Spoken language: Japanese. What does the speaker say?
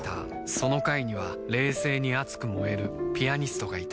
その階には冷静に熱く燃えるピアニストがいた